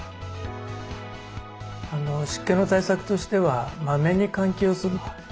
湿気の対策としてはマメに換気をすると。